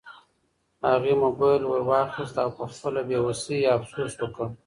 هغې موبایل ورواخیست او په خپله بې وسۍ یې افسوس وکړ.